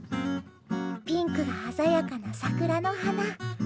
ピンクが鮮やかな桜の花。